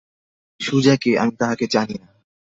সুজা কে, আমি তাহাকে জানি না।